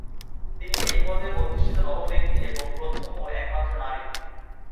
তিনি এই পদে অধিষ্ঠিত নবম ব্যক্তি এবং প্রথম ও একমাত্র নারী।